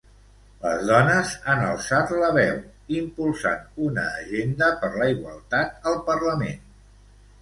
Les dones han alçat la veu, impulsant una agenda per la igualtat al Parlament.